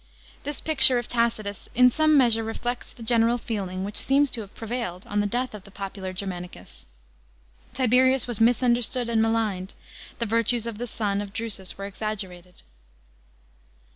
This picture of Tacitus hi some measure reflects the general feeling which seems to have pre vailed on the death of the popular Germanicus. Tiberius was misunderstood and maligned; the virtues of the son of Drusus were exaggerated.